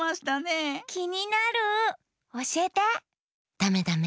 ダメダメ！